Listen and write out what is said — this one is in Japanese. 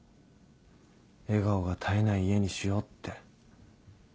笑顔が絶えない家にしようって。